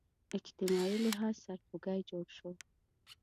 اجتماعي لحاظ سرخوږی جوړ شو